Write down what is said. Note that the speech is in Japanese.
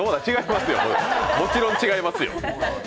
もちろん違いますよ。